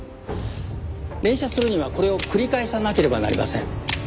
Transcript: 連射するにはこれを繰り返さなければなりません。